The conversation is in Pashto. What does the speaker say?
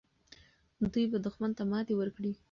دوی به دښمن ته ماتې ورکړي.